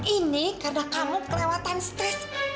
ini karena kamu kelewatan stres